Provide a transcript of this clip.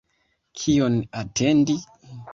Kion atendi?